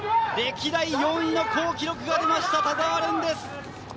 歴代４位の好記録が出ました田澤廉です。